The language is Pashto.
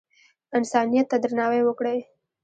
انسانیت ته درناوی وکړئ